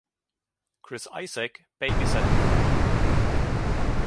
Chris Isaak babysat Ari.